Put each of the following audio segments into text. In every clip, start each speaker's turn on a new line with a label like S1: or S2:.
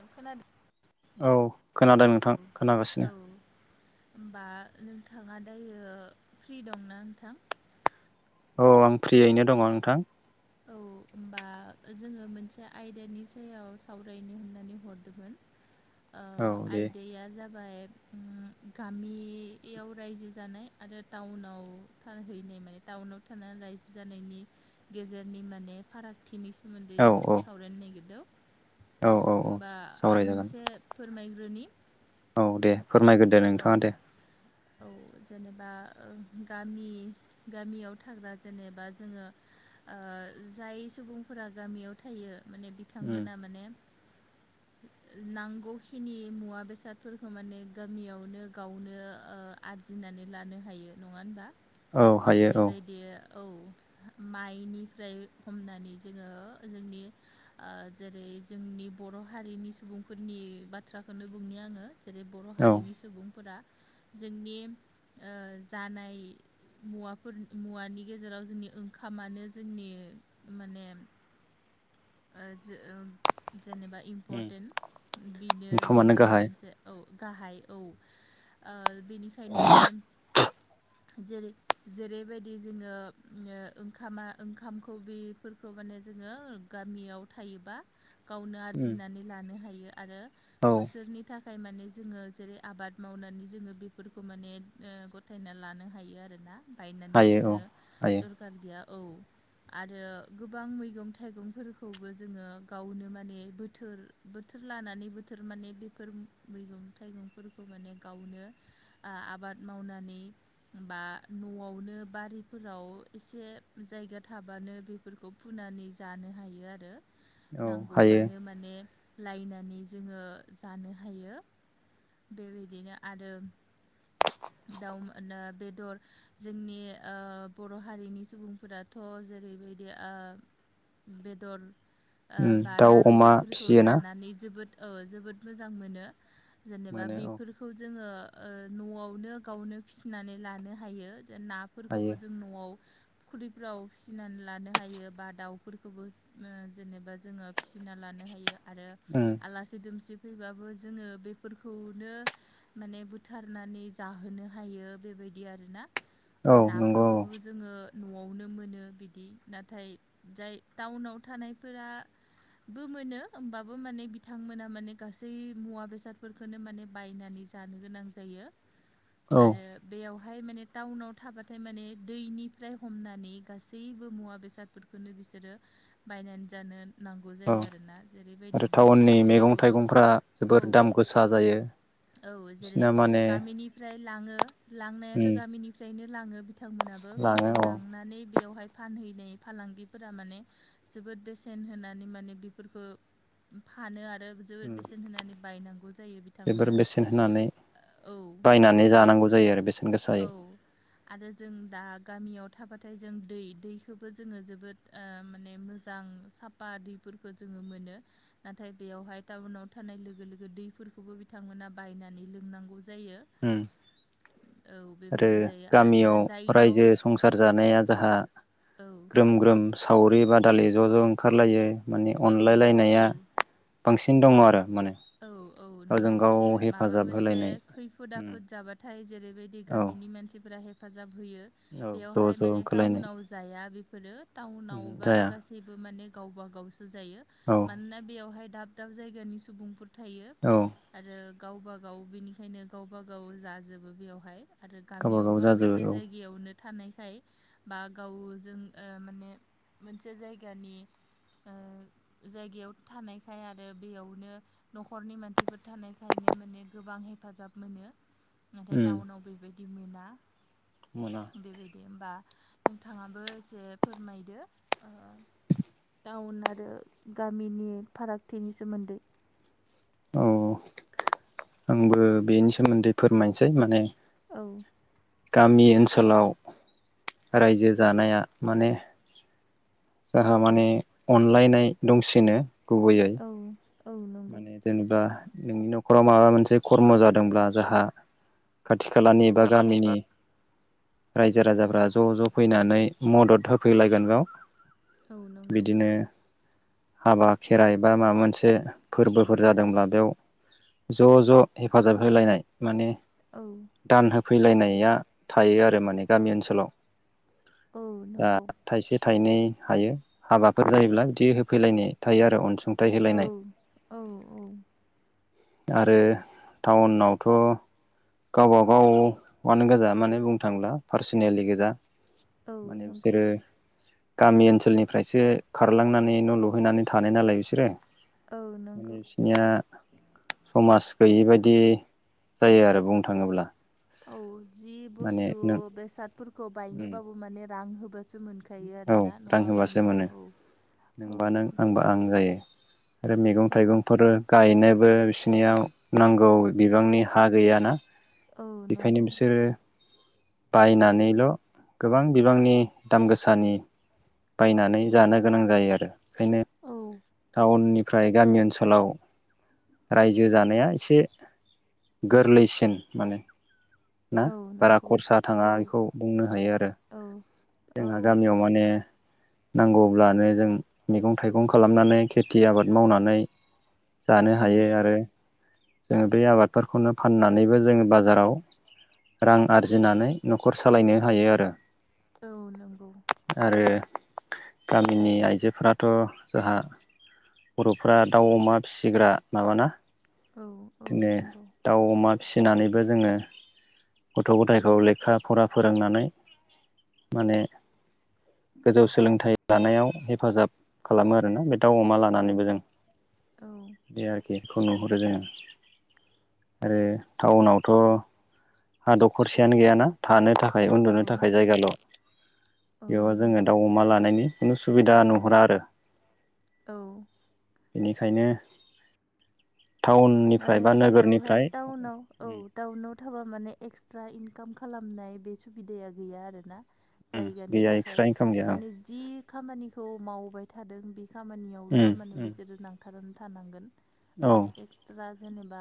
S1: आं खोनादों
S2: औ खोनादों नोंथां
S1: औ
S2: खोनागासिनो।
S1: होमबा नोंथाङा दायो फ्रि दंना नोंथां?
S2: औ आं फ्रियैनो दङ नोंथां।
S1: बा जोङो मोनसे आयदानि सायाव सावरायनो होननानै हरदोंमोन।
S2: औ दे
S1: ओ-आयदाया जाबाय। ओम गामियाव रायजो जानाय आरो टाउनाव थाहै टाउनाव थानानै रायजो जानायनि। गेजेरनि माने फारागथिनि सोमोन्दै
S2: औ
S1: जों
S2: औ
S1: सावरायनो नागिरदों। औ होनबा आं एसे फोरमायग्रोनि।
S2: औ दे फोरमायग्रो दे नोंथाङा
S1: औ
S2: दे।
S1: औ जेनेबा ओ-गामि गामियाव थाग्रा जेनेबा जोङो ओ- जाय सुबुंफोरा गामियाव थायो माने
S2: उम
S1: बिथांमोना माने नांगौ खिनि मुवा बेसादफोरखौ माने गामियावनो गावनो ओ-आरजिनानै लानो हायो नङा होनबा?
S2: औ हायो औ।
S1: जेरैबायदि औ माइनिफ्राय हमनानै जोङो जोंनि ओ-जेरै- बे जोंनि बर' हारिनि सुबुंफोरनि बाथ्राखौनो बुंनि आङो जेरै- बर'
S2: औ
S1: हारिनि सुबुंफोरा जोंनि ओ-जानाय। मुवाफोर मुवानि गेजेराव जोंनि ओंखामानो जोंनि माने ओ- जो-ओ- जेनेबा
S2: उम
S1: इम्परटेन्ट बेनो
S2: ओंखामानो
S1: जोंनि
S2: गाहाय
S1: मोनसे औ। गाहाय औ। ओ-बेनिखायनो माने, जेरै जेरैबायदि जोङो ओंखामा ओंखामखौ बेफोरखौ। माने जोङो गामियाव थायोबा गावनो
S2: उम
S1: आरजिनानै लानो हायो आरो
S2: औ
S1: बोसोरनि थाखाय। थाखाय माने जोङो जेरै आबाद मावनानै जोङो बेफोरखौ माने ओ-गथायना लानो हायो आरोना। बायनानै
S2: हायो
S1: जानो
S2: औ हायो
S1: दरखार गैया औ आरो गोबां मैगं थाइगं फोरखौबो जोङो गावनो माने बोथोर बोथोर लानानै बोथोर माने बेफोर। मैगं थाइगंफोरखौ माने गावनो आबाद मावनानै। बा न'आवनो बारिफोराव एसे जायगा थाबानो बेफोरखौ फुना नानै जानो हायो आरो
S2: औ हायो
S1: नांगौबानो माने लायनानै जोङो जानो हायो। बेबायदिनो आरो। दाउ बेदर जोंनि ओ- बर' हारिनि सुबुंफोराथ', जेरैबायदि ओ- बेद- दर
S2: उम
S1: ओ बा
S2: दाउ
S1: ना
S2: अमा
S1: बेदरफोरखौ
S2: फिसियोना
S1: जानानै जोबोद ओ जोबोद मोजां मोनो जेनोबा
S2: मोनो औ
S1: बेफोरखौ जोङो। ओ न'आवनो गावनो फिसिनानै लानो हायो जे
S2: हायो
S1: नाफोरखौबो जों न'आव खुलिफोराव फिसिनानै लानो हायो बा दाउफोरखौबो ओ जेनोबा जोङो फिसिना लानो हायो आरो
S2: उम
S1: आलासि दुमसि फैबाबो जोङो बेफोरखौनो माने बुथारनानै जाहोनो हायो बेबाय बिदि आरोना
S2: औ नंगौ
S1: नाफोरखौबो जोङो न'आवनो मोनो बिदि नाथाय जाय टाउनाव थानायफोरा बो मोनो होमबाबो माने बिथांमोना माने गासै मुवा बेसादफोरखोनो माने बायनानै जानो गोनां जायो
S2: औ
S1: आरो बेयाव हाय माने टाउनाव थाबाथाय माने दैनिफ्राय हमनानै गासैबो मुवा बेसादफोरखौनो बिसोरो बायनानै जानो। नांगौ
S2: औ
S1: जायो आरोना जेरैबायदि
S2: आरो
S1: दै
S2: टाउननि मैगं
S1: दैखौबो
S2: थाइगंफोरा जोबोर
S1: औ
S2: दाम गोसा जायो।
S1: औ जेरै
S2: बिसिना माने
S1: गामिनिफ्राय लाङो
S2: उम
S1: लांनायाथ' गामिनिफ्रायनो लाङो बिथांमोनाबो खिन्थु
S2: लाङो औ
S1: लांनानै बेयावहाय। फानहैनाय फालांगिफोरा माने जोबोद बेसेन होनानै माने बेफोरखौ फानो आरो। जोबोद बेसेन होनानै बायनां
S2: बेफोर बेसेन होनानै
S1: औ
S2: बायनानै
S1: जेरै
S2: जानांगौ जायो आरो बेसेन गोसायै।
S1: औ आरो जों दा गामियाव थाबाथाय जों दै दैखौबो जोङो जोबोद ओ माने मो जां साफा दैफोरखौ जोङो मोनो नाथाय बेवहाय टाउनाव थानाय लोगो लोगो दै फोरफोरखौबो बिथांमोना बायनानै लोंनांगौ जायो।
S2: [inaudible]
S1: औ
S2: आरो
S1: बेबायदि जायो आरो
S2: गामियाव
S1: जायनाव
S2: रायजो संसार जानाया जाहा
S1: औ
S2: ग्रोम ग्रोम। सावरि बादालि ज' ज' ओंखारलायो मानि
S1: औ
S2: अनलाय
S1: औ
S2: लायनाया बांसिन दङ आरो। माने
S1: औ औ
S2: गावजों
S1: नंगौ
S2: गाव
S1: माबा
S2: हेफाजाब
S1: मोनसे
S2: होलायनाय
S1: खैफोद
S2: उम
S1: आफोद जाबाथाय जे - बायदि
S2: औ
S1: गामिनि मानसिफोरा हेफाजाब होयो
S2: औ ज'
S1: बेयावहाय
S2: ज'
S1: माने
S2: ओंखारलायनाय
S1: टाउनाव जाया बेफोरो। टाउनावबा
S2: जाया
S1: गासैबो माने गावबा गावसो जायो
S2: औ
S1: मानोना बेयावहाय दाब दाब जायगानि सुबुंफोर थायो
S2: औ
S1: आरो गावबा गाव बेनिखायनो गावबा गाव जाजोबो बेयावहाय। आरो
S2: गावबागाव
S1: गामियावबा मोनसे
S2: जाजोबो औ
S1: जायगायावनो। थानायखाय बा गावजों ओ माने मोनसे जायगानि। ओ जायगायाव थानायखाय आरो बेयावनो। न'खरनि मानसिफोर थानायखायनो माने गोबां हेफाजाब मोनो नाथाय
S2: उम
S1: टाउनाव बेबाय दि मोना
S2: मोना
S1: बेबायदि होमबा। नोंथाङाबो एसे फोरमायदो ओ। टाउन आरो गामिनि फारागथिनि सोमोन्दै।
S2: औ आंबो बेनि सोमोन्दै फोरमायसै माने।
S1: औ
S2: गामि ओनसोलाव रायजो जानाया माने। जोंहा माने अनलायनाय दंसिनो गुबैयै
S1: औ औ नंगौ
S2: माने जेनेबा नोंनि न'खराव माबा मोनसे खर्म जादोंब्ला जाहा खाथि खालानि
S1: औ
S2: बा
S1: नंगौ
S2: गामिनि रायजो राजाफ्रा ज' ज' फैनानै मदद होफैलायगोन गाव
S1: औ नंगौ।
S2: हाबा खेराइ बा माबा मोनसे फोरबोफोर जादोंब्ला बेयाव ज' ज' हेफाजाब होलायनाय। माने दान होफैलायनाया थायो आरो माने गामि ओनसोलाव।
S1: औ
S2: ओ
S1: नंगौ
S2: थाइसे थाइ थाइनै हायो हाबाफोर जायोब्ला बिदि होफैलायनाय थायो आरो अनसुंथाइ
S1: औ
S2: होलायनाय।
S1: औ औ।
S2: आरो टाउनावथ'। गावबा गावानो गोजा माने बुंनो थांला पारसनेलि गोजा।
S1: औ
S2: माने
S1: नंगौ।
S2: बिसोरो गामि ओनसोलनिफ्रायसो खारलांनानै न' लुहैनानै थानाय नालाय बिसोरो।
S1: औ नंगौ
S2: माने बिसनिया समाज। गैयि बायदि जायो आरो बुंनो थाङोब्ला।
S1: औ जि
S2: माने
S1: बुस्थु
S2: नों
S1: बेसादफोरखौ बायनोबाबो माने रां होबा
S2: औ रां होबासो मोनो
S1: औ औ
S2: नोंबा नों
S1: नंगौ
S2: आंबा आं जायो। आरो मैगं
S1: औ
S2: थाइगंफोर गायनोबो बिसोरनियाव नांगौ बिबांनि हा गैयाना।
S1: औ
S2: बेखायनो
S1: नंगौ
S2: बिसोरो बायनानैल' गोबां बिबांनि दाम गोसानि बायनानै जानो गोनां जायो आरो ओंखायनो।
S1: औ
S2: टाउननिफ्राय गामि ओनसोलाव रायजो जानाया एसे गोरलैसिन माने। ना
S1: औ
S2: बारा
S1: नंगौ
S2: खरसा थाङा
S1: औ
S2: बेखौ बुंनो हायो आरो।
S1: औ औ
S2: जोंहा गामियाव माने नांगौब्लानो जों मैगं थाइगं खालामनानै खेथि आबाद मावनानै जानो
S1: उम
S2: हायो आरो जोङो बे आबादफोरखौनो फाननानैबो जोङो बाजाराव रां आरजिनानै नखर सालायनो हायो आरो।
S1: औ नंगौ।
S2: आरो गामिनि आइजोफोराथ' जोंहा बर'फोरा दाउ अमा फिसिग्रा माबाना
S1: औ औ
S2: बिदिनो
S1: नंगौ
S2: दाउ अमा फिसिनानैबो जोङो गथ' गथायखौ लेखा फरा फोरोंनानै। माने गोजौ सोलोंथाइ लानायाव हेफाजाब खालामो आरोना बे दाउ अमा
S1: औ
S2: लानानैबो जों
S1: औ
S2: बे आरो बेखौ नुहुरो जोङो आरो टाउनावथ'। हा दखरसेयानो गैयाना थानो थाखाय
S1: औ
S2: उन्दुनो थाखाय जायगाल'।
S1: औ
S2: बेयावा जोङो
S1: नंगौ
S2: दाउ अमा लानायनि खुनु सुबिदा नुहुरा आरो।
S1: औ।
S2: बेनिखायनो टाउननिफ्राय
S1: माने
S2: बा
S1: बेयावहाय
S2: नोगोरनिफ्राय
S1: टाउनाव औ टाउनाव थाबा माने एक्सट्रा इनकाम खालामनाय बे सुबिदाया गैया आरोना। जायगानि
S2: गैया
S1: थाखाय
S2: एक्सट्रा इनकाम गैया
S1: माने जि खामानिखौ मावबाय थादों बि खामानियावल' माने
S2: औ
S1: बिसोरो नांथारनानै थानांगोन।
S2: औ।
S1: बा जेनेबा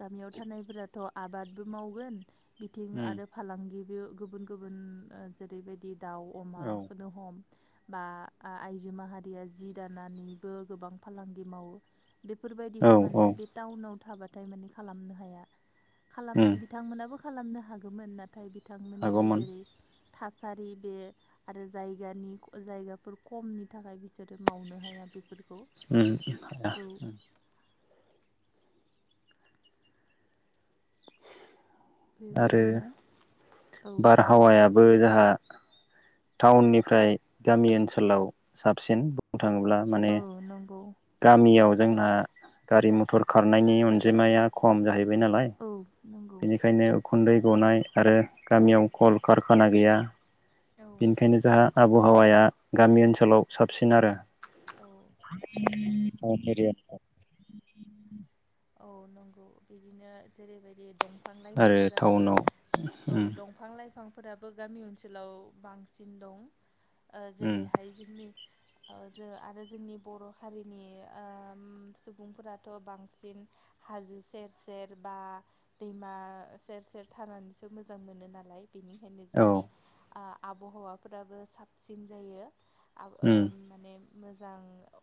S1: गामियाव थानायफोराथ' आबादबो मावगोन। बिथिं आरो फालांगिबो गुबुन गुबुन ओ जेरैबायदि दाउ अमाखौनो हम बा आ आइजो माहारिया जि दानानैबो गोबां फालांगि मावो।
S2: औ
S1: बेफोरबायदिखौ माने बे टाउनाव थाबाथाय माने खालामनो हाया। खालाम
S2: औ
S1: बिथांमोनाबो खालामनो हागौमोन नाथाय बिथांमोननि
S2: हागौमोन
S1: जेरै थासारि बे आरो जायगानि जायगाफोर खमनि थाखाय बिसोरो मावनो हाया बे
S2: उम हाया। आरो
S1: बेबायदिनो औ
S2: बारहावाया बो जोंहा टाउननिफ्राय गामि ओनसोलाव साबसिन। थाङोब्ला माने
S1: औ नंगौ।
S2: गामियाव जोंना गारि मथर खारनायनि अनजिमाया खम जाहैबाय नालाय।
S1: औ नंगौ
S2: बेनिखायनो उखुन्दै गनाय आरो गामियाव खल कारखाना गैया।
S1: औ
S2: बेनिखायनो जोंहा आबहावाया गामि ओनसोलाव साबसिन आरो।
S1: औ
S2: [unintelligible]
S1: औ नंगौ बिदिनो जेरैबायदि दंफां दफां
S2: आरो
S1: -लाइफांफोराबो,
S2: टाउनाव
S1: औ
S2: उम
S1: दंफां -लाइफां बिफांफोराबो गामि ओनसोलाव बांसिन दं। ओ
S2: उम
S1: जेरैहाय जोंनि
S2: [unintelligible]
S1: [unintelligible] आरो जोंनि बर' हारिनि सुबुंफोराथ' बांसिन हाजो सेर- सेर बा दैमा सेर- सेर थानानैसो मोजां मोनो नालाय। बिनिखायनो
S2: औ
S1: जोंनि, आ आबहावाफोराबो साबसिन जायो।
S2: उम
S1: ओ माने मोजां,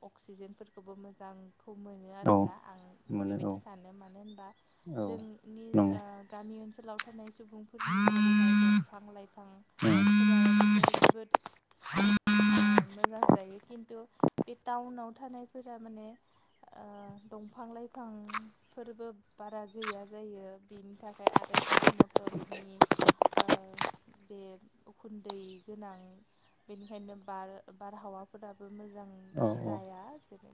S1: अक्सिजेनफोरखौबो मोजां [unintelligible] मोनो
S2: औ
S1: आरोना। आं
S2: मोनो
S1: बेबायदि सानो मानो होनबा
S2: औ औ
S1: जोंनि
S2: नंगौ
S1: ओ गामि ओनसोलाव थानाय [unintelligible] सुबुंफोरनि जेरैहाय दंफां -लाइफांफोरा बिदिनो जोबोद ओ
S2: [unintelligible]
S1: मोजां जायो। खिन्थु बे टाउनाव थानायफोरा माने ओ दंफां [unintelligible]
S2: [unintelligible]
S1: [unintelligible] बारा गैया जायो। बेनि थाखाय आरो गारि- मथरनि ओ [unintelligible] बे उखुन्दै गोनां बेनिखायनो बार -बारहावाफोराबो मोजां
S2: औ
S1: जाया। जेरै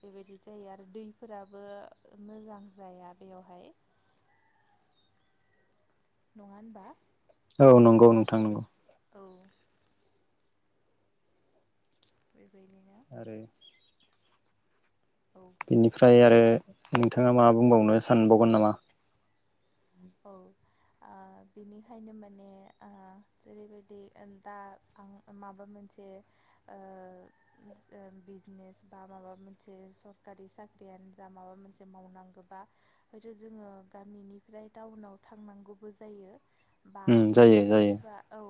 S1: बेबायदि जायो आरो दै [unintelligible] मोजां जाया बेवहाय नङा होनबा?
S2: औ नंगौ नोंथां नंगौ।
S1: औ बेबायदिनो
S2: आरो
S1: औ
S2: बेनिफ्राय आरो नोंथाङा मा बुंबावनो सानबावगोन नामा?
S1: औ। आ बिनिखायनो, माने आ जेरैबायदि दा, आं माबा मोन जे ओ ओ बिजने बा माबा मोनसे सरकारि साख्रि माबा मोनसे मावनांगौ बा, खिनथु जोंङो गामिनिफ्राय टाउनाव थांनांगौबो जायो। बा
S2: उम जायो
S1: सोरबा
S2: जायो
S1: -सोरबा औ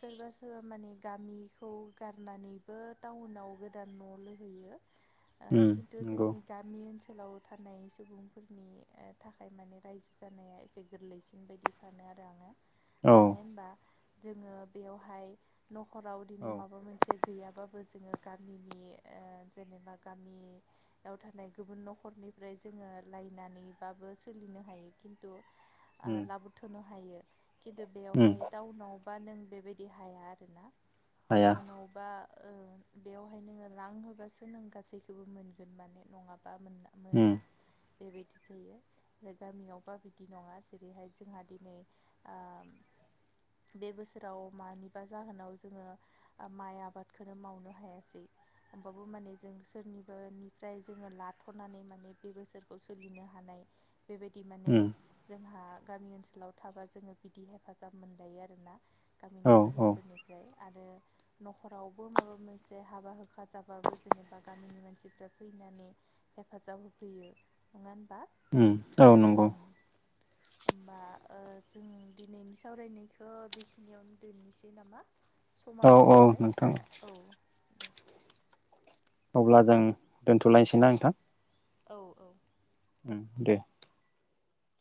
S1: सोरबा- सोरबा माने गामिखौ गारनानैबो टाउनाव गोदान न' लुहैयो। ओ
S2: उम
S1: खिन्थु
S2: नंगौ
S1: जोंनि गामि ओनसोलाव ओनसोलाव थानाय सुबुंफोरनि थाखाय माने रायजो जानाया एसे गोरलैसिन बिदि सानो आरो आङो।
S2: औ
S1: मानो होनबा जोङो बेयावहाय न'खराव,
S2: औ
S1: बिदिनो माबा मोनसे गैयाबा जोङो गामिनि, ओ जेनेबा गामियाव थानाय गुबुन न'खरनिफ्राय जों जोङो लायनानैबाबो सोलिनो हायो [unintelligible]
S2: उम
S1: [unintelligible] लाबोथ'नो हायो। खिन्थु
S2: उम
S1: बेयावहाय टाउनाव बा नों बेबायदि हाया आरोना।
S2: हाया
S1: टाउनावबा ओ बेवहाय नोङो रां होबासो, नों गासैखौबो मोनगोन माने नङाब्ला बा
S2: उम
S1: मोना बेबायदि जायो। ओमफ्राय गामियावबा [unintelligible] बिदि नङा। जेरैहाय जोंहा दिनै ओ बे बोसोराव मानिबा जाहोनाव जोङो, ओ माइ आबादखौ मावनो हायासै। होमबाबो माने जों सोरनिबनिफ्राय जोङो लाथ'नानै, माने बे बोसोरखौ सोलिनो हानाय
S2: [inaudible]
S1: बेबायदि माने
S2: उम
S1: जोंहा गामि ओनसोलाव थाबा जोङो बिदि हेफाजाब मोनजायो आरोना। गामिनि
S2: औ औ
S1: सुबुंफोरनिफ्राय आरो न'खरावबो माबा मोनसे हाबा -हुखा जाबाबो, जेनेबा गामिनि मानसिफ्रा [unintelligible] [unintelligible] हेफाजाब होफैयो नङा
S2: उम औ नंगौ।
S1: उम होमबा ओ जों दिनैनि सावरायनायखौ बेखिनियावनो दोननोसै नामा?
S2: औ
S1: समाबो
S2: औ
S1: जाबाय
S2: नोंथां
S1: आ औ। दे
S2: अब्ला जों दोनथ'लायनोसैना नोंथां?
S1: औ औ।
S2: उम दे।